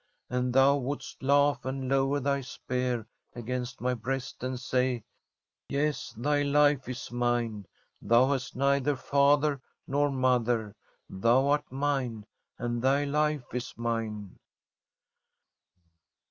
*' And thou wouldest laugh, and lower thy spear against my breast, and say : ASTRID " Yes, thy life is mine. Thou hast neither father nor mother ; thou art mine, and thy life is mine."